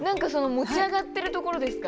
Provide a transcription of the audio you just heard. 持ち上がってるところですか？